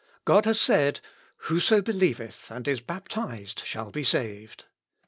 God has said, 'Whoso believeth, and is baptized, shall be saved.'